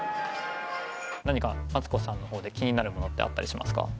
何かマツコさんの方で気になるものってあったりしますか？